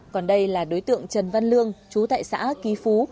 còn đây là đối tượng trần văn lương chú tại xã kỳ phu